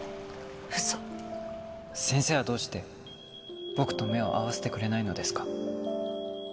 ウソ先生はどうして僕と目を合わせてくれないのですか？